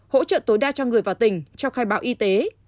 hỗ trợ tối đa cho người vào tỉnh trong khai báo y tế